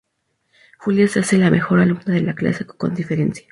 Julia se hace la mejor alumna de la clase con diferencia.